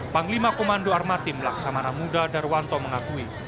panglima komando armatim laksamana muda darwanto mengakui